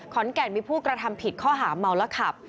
แก่นมีผู้กระทำผิดข้อหาเมาแล้วขับ